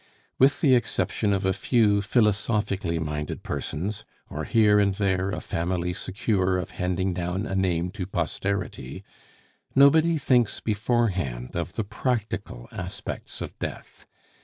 With the exception of a few philosophically minded persons, or here and there a family secure of handing down a name to posterity, nobody thinks beforehand of the practical aspects of death.